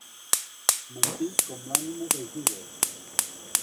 Mentir com l'ànima de Judes.